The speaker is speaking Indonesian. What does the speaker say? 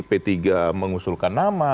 p tiga mengusulkan nama